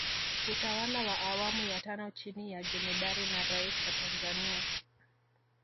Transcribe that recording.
Utawala wa awamu ya tano chini ya Jemedari na Rais wa Watanzania